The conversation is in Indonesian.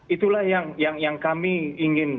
itulah yang kami ingin